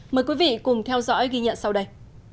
mời quý vị cùng theo dõi ghi nhận sau đây